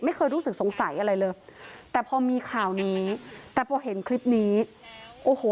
ไม่เคยรู้สึกสงสัยอะไรเลยแต่พอมีข่าวนี้แต่พอเห็นคลิปนี้โอ้โห